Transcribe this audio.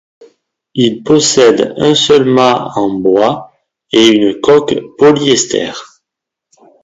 Il possède un seul mât en bois, et une coque polyester.